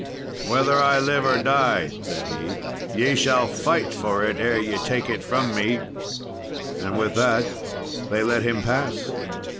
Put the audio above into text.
"Whether I live or die," said he, "ye shall fight for it ere ye take it from me." With that they let him pass.